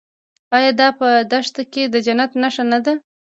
آیا دا په دښته کې د جنت نښه نه ده؟